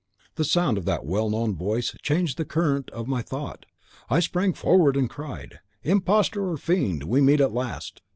"The sound of that well known voice changed the current of my thought. I sprang forward, and cried, "'Imposter or Fiend, we meet at last!